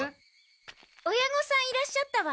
親御さんいらっしゃったわ。